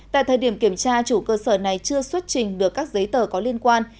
tại thời điểm kiểm tra chủ cơ sở này chưa xuất trình được các giấy tờ có liên quan